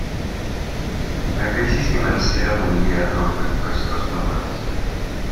La crisis financiera mundial no afectó estos números.